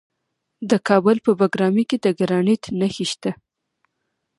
د کابل په بګرامي کې د ګرانیټ نښې شته.